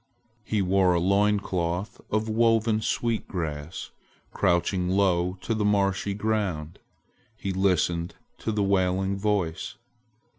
He wore a loin cloth of woven sweet grass. Crouching low to the marshy ground, he listened to the wailing voice.